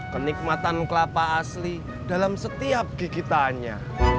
kenikmatan kelapa asli dalam setiap gigitannya